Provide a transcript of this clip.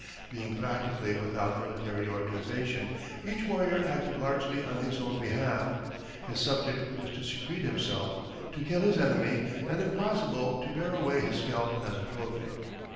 Being practically without military organization, each warrior acted largely on his own behalf. His object was to secrete himself, to kill his enemy, and if possible to bear away his scalp as a trophy.